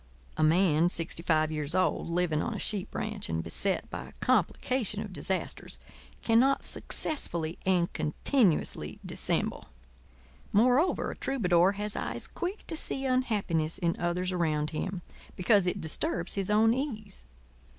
A man sixty five years old, living on a sheep ranch and beset by a complication of disasters, cannot successfully and continuously dissemble. Moreover, a troubadour has eyes quick to see unhappiness in others around him—because it disturbs his own ease.